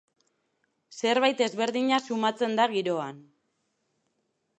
Zerbait ezberdina sumatzen da giroan.